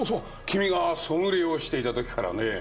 君がソムリエをしていた時からねぇ。